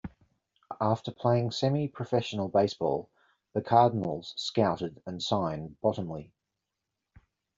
After playing semi-professional baseball, the Cardinals scouted and signed Bottomley.